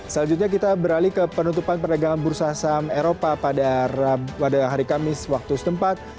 selanjutnya kita beralih ke penutupan perdagangan bursa saham eropa pada hari kamis waktu setempat